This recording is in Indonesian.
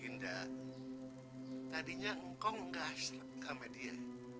dinda tadinya engkau nggak selapin kamer dia